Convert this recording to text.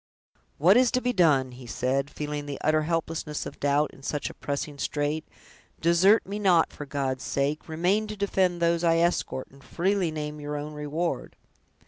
"What is to be done!" he said, feeling the utter helplessness of doubt in such a pressing strait; "desert me not, for God's sake! remain to defend those I escort, and freely name your own reward!"